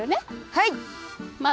はい。